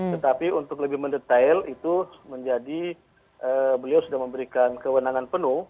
tetapi untuk lebih mendetail itu menjadi beliau sudah memberikan kewenangan penuh